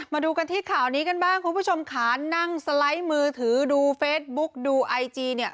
มาดูกันที่ข่าวนี้กันบ้างคุณผู้ชมค่ะนั่งสไลด์มือถือดูเฟซบุ๊กดูไอจีเนี่ย